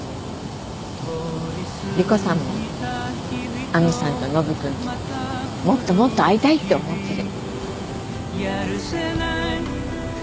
莉湖さんも亜美さんとノブ君ともっともっと会いたいって思ってる。